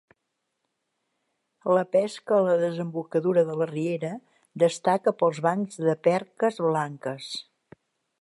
La pesca a la desembocadura de la riera destaca pels bancs de perques blanques.